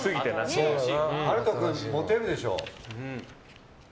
陽斗君モテるでしょ。